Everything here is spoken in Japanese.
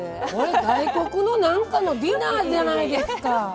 外国のなんかディナーじゃないですか。